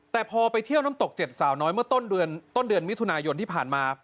แต่พอไปเที่ยวน้ำตก๗สาวน้อยเมื่อต้นเดือนต้นเดือนมิถุนายนที่ผ่านมา